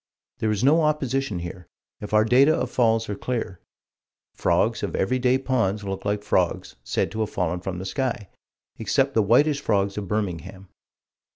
There is no opposition here, if our data of falls are clear. Frogs of every day ponds look like frogs said to have fallen from the sky except the whitish frogs of Birmingham.